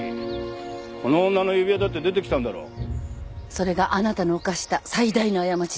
それがあなたの犯した最大の過ちです。